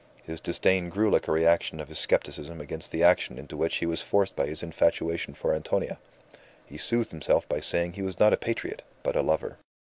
His disdain grew like a reaction of his scepticism against the action into which he was forced by his infatuation for Antonia. He soothed himself by saying he was not a patriot, but a lover.